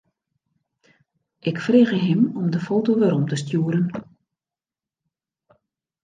Ik frege him om de foto werom te stjoeren.